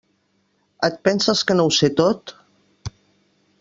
Et penses que no ho sé tot?